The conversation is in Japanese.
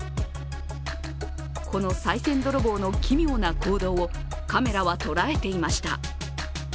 このさい銭泥棒の奇妙な行動を、カメラは捉えていました。